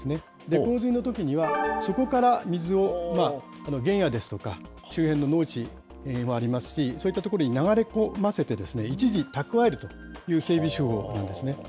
洪水のときには、そこから水を、原野ですとか、周辺の農地もありますし、そういった所に流れ込ませて、一時蓄えるという整備手法なんですね。